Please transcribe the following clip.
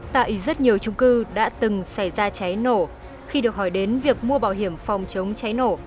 tại rất nhiều trung cư đã từng xảy ra cháy nổ khi được hỏi đến việc mua bảo hiểm phòng chống cháy nổ